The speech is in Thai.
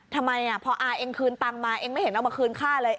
ทำไมพออาเองคืนตังค์มาเองไม่เห็นเอามาคืนค่าเลย